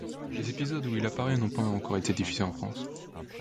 Les épisodes où il apparaît n'ont pas encore été diffusés en France.